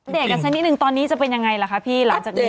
กันสักนิดนึงตอนนี้จะเป็นยังไงล่ะคะพี่หลังจากนี้